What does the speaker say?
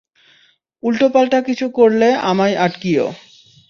উল্টোপাল্টা কিছু করলে আমায় আটকিও।